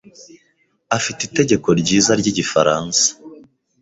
afite itegeko ryiza ryigifaransa.